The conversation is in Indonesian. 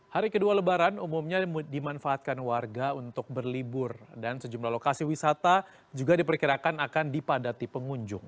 hari kedua lebaran umumnya dimanfaatkan warga untuk berlibur dan sejumlah lokasi wisata juga diperkirakan akan dipadati pengunjung